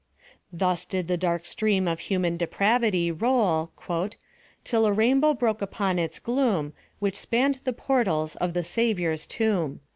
— Thus did the dark stream of human depravity roll, « Till a rainbow broke upon its gloom, Which spann'd the portals of the Savior's tomb."